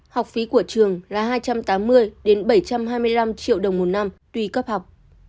học phí của trường là hai trăm tám mươi bảy trăm hai mươi năm triệu đồng một năm tùy cấp học